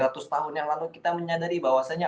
seratus tahun yang lalu kita menyadari bahwasannya